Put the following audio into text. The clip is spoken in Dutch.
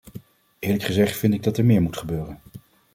Eerlijk gezegd vind ik dat er meer moet gebeuren.